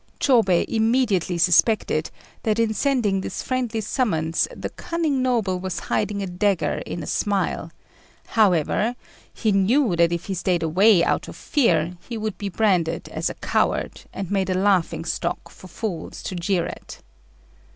Chôbei immediately suspected that in sending this friendly summons the cunning noble was hiding a dagger in a smile; however, he knew that if he stayed away out of fear he would be branded as a coward, and made a laughing stock for fools to jeer at.